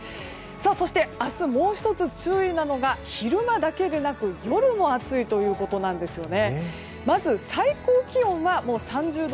そして、明日もう１つ注意なのが昼間だけでなく夜も暑いということなんですよね。